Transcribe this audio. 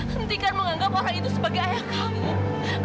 hentikan menganggap orang itu sebagai ayah kamu